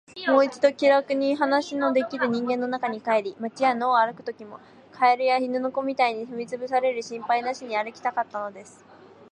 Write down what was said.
もう一度、気らくに話のできる人間の中に帰り、街や野を歩くときも、蛙や犬の子みたいに踏みつぶされる心配なしに歩きたかったのです。